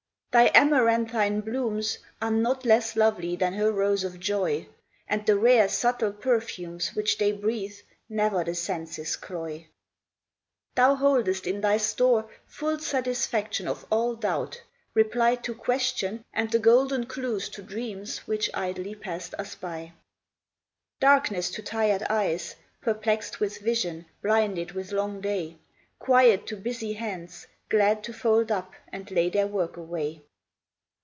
Thy amaranthine blooms Are not less lovely than her rose of joy ; And the rare, subtle perfumes which they breathe Never the senses cloy. Thou boldest in thy store Full satisfaction of all doubt, reply To question, and the golden clews to dreams Which idly passed us by. A GREETING. 2 S3 Darkness to tired eyes, Perplexed with vision, blinded with long day ; Quiet to busy hands, glad to fold up And lay their work away.